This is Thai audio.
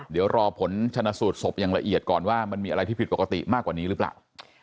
เดี๋ยวรอผลชนะสูตรศพอย่างละเอียดก่อนว่ามันมีอะไรที่ผิดปกติมากกว่านี้หรือเปล่า